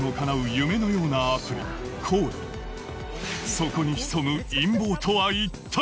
夢のようなそこに潜む陰謀とは一体！？